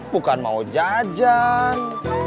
bukan mau jajan